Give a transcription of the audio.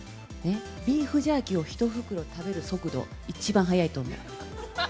ビーフジャーキーを１袋食べる速度、一番速いと思う。